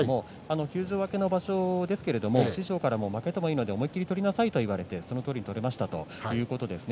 休場明けの場所ですけれども師匠からは負けてもいいので思い切り取りなさいと言われてそのとおり取りましたというところです。